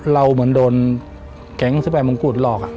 เราเหมือนโดนแก๋งสิบแปดมงกุฎหรอก